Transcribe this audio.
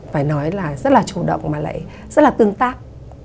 phải nói là rất là chủ động mà lại rất là tương tác